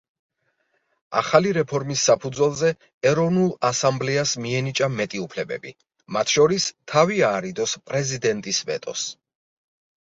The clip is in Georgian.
ახალი რეფორმის საფუძველზე ეროვნულ ასამბლეას მიენიჭა მეტი უფლებები, მათ შორის თავი აარიდოს პრეზიდენტის ვეტოს.